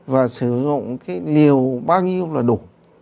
và sử dụng cái liều bao nhiêu là đủ